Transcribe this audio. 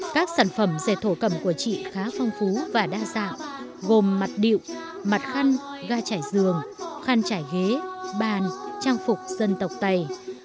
các sản phẩm dệt thổ cầm của chị khá phong phú và đa dạng gồm mặt điệu mặt khăn ga chải giường khăn chải ghế bàn trang phục dân tộc tây